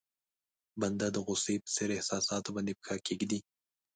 بنده د غوسې په څېر احساساتو باندې پښه کېږدي.